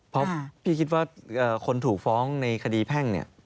เพราะพี่คิดว่าคนถูกฟ้องในคดีแพ่งเนี่ย